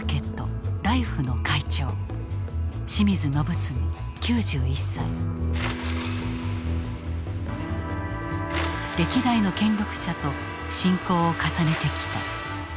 歴代の権力者と親交を重ねてきた。